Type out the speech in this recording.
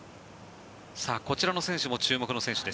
こちらの選手も注目の選手です。